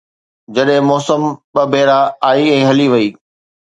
جڏهن موسم ٻه ڀيرا آئي ۽ هلي وئي